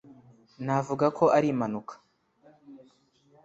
navuga ko ari impanuka